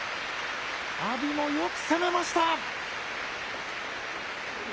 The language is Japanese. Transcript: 阿炎もよく攻めました。